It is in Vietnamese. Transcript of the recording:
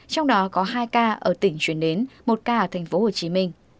trong đó có hai ca ở tỉnh chuyền nến một ca ở tp hcm